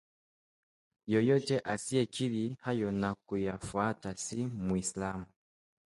Yeyote asiyekiri hayo na kuyafuata si Mwislamu